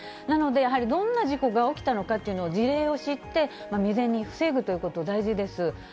なので、やはりどんな事故が起きたのかという事例を知って、未然に防ぐということ、大事です。